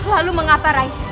lalu mengapa rai